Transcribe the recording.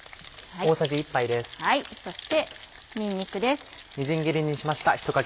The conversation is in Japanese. そしてにんにくです。